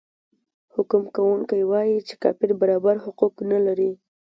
حکم کوونکی وايي چې کافر برابر حقوق نلري.